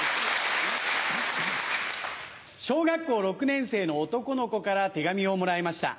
小学校６年生の男の子から手紙をもらいました。